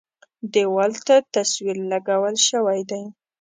دېوال ته تصویر لګول شوی دی.